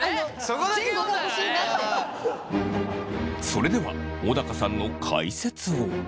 それでは小高さんの解説を。